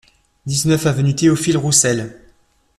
dix-neuf avenue Théophile Roussel